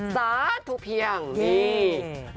สาธุเพียงนี่